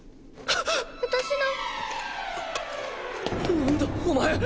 何だお前